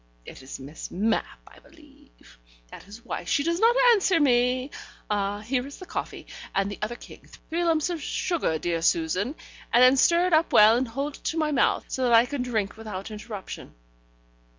It is Miss Mapp, I believe: that is why she does not answer me. Ah! here is the coffee, and the other king: three lumps of sugar, dear Susan, and then stir it up well, and hold it to my mouth, so that I can drink without interruption.